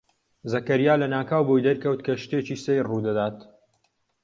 زەکەریا لەناکاو بۆی دەرکەوت کە شتێکی سەیر ڕوو دەدات.